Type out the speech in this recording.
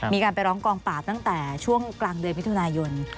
มีการไปร้องกองปราบตั้งแต่ช่วงกลางเดือนมิถุนายน